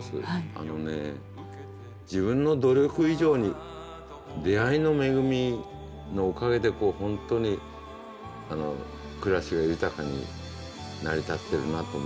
あのね自分の努力以上に「出会いの恵み」のおかげで本当に暮らしが豊かに成り立ってるなと思いますね。